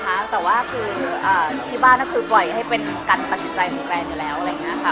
ก็ถามนะคะแต่ว่าคือที่บ้านก็คือปล่อยให้เป็นการประสิทธิ์ใจของแกอยู่แล้วอะไรอย่างนี้ค่ะ